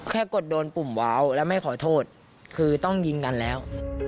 กดโดนปุ่มว้าวแล้วไม่ขอโทษคือต้องยิงกันแล้ว